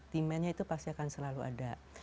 demandnya itu pasti akan selalu ada